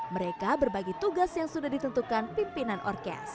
mereka berbagi tugas yang sudah ditentukan pimpinan orkes